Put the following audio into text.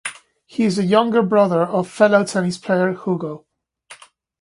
He is the younger brother of fellow tennis player Hugo.